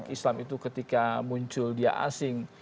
islam itu ketika muncul dia asing